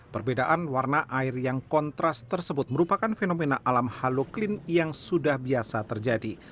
perbedaan warna air yang kontras tersebut merupakan fenomena alam haluklin yang sudah biasa terjadi